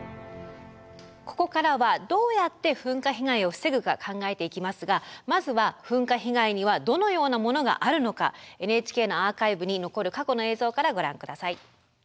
ここからはどうやって噴火被害を防ぐか考えていきますがまずは噴火被害にはどのようなものがあるのかＮＨＫのアーカイブに残る過去の映像からご覧下さい。